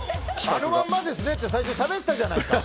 あのまんまですねって最初しゃべったじゃん。